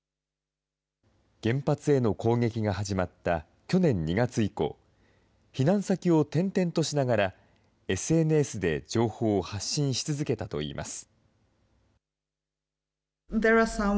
原発への攻撃が始まった去年２月以降、避難先を転々としながらＳＮＳで情報を発信し続けたといいます。